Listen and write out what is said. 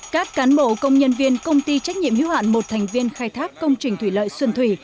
các cán bộ công nhân viên công ty trách nhiệm hiếu hạn một thành viên khai thác công trình thủy lợi xuân thủy